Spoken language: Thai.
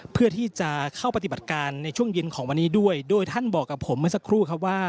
ปฏิบัติการในช่วงเย็นของวันนี้ด้วยโดยท่านบอกกับผมเมื่อสักครู่ครับว่า